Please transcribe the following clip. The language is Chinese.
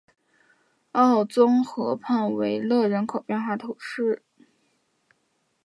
奥宗河畔维勒人口变化图示